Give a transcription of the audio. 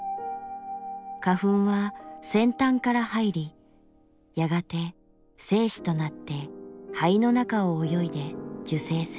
花粉は先端から入りやがて精子となって胚の中を泳いで受精する。